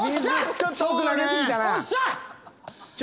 ちょっと投げ過ぎたな。